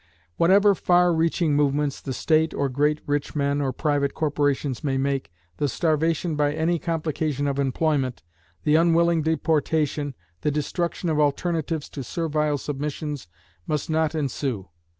Whatever far reaching movements the State or great rich men or private corporations may make, the starvation by any complication of employment, the unwilling deportation, the destruction of alternatives to servile submissions, must not ensue.